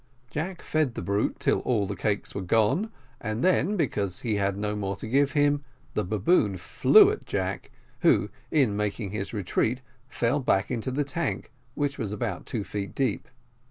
Jack fed the brute till all the cakes were gone, and then, because he had no more to give him, the baboon flew at Jack, who, in making his retreat, fell back into the tank, which was about two feet deep.